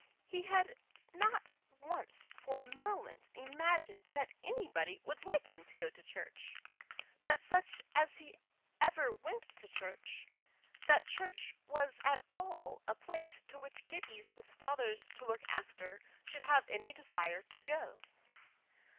He had not once for a moment imagined that anybody would like him to go to church, that such as he ever went to church, that church was at all a place to which Gibbies with fathers to look after should have any desire to go.